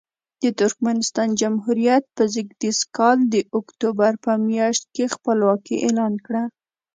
د ترکمنستان جمهوریت په زېږدیز کال د اکتوبر په میاشت کې خپلواکي اعلان کړه.